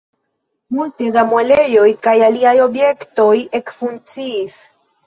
Multe da muelejoj kaj aliaj objektoj ekfunkciis.